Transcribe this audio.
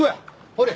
ほれ。